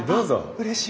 うれしい！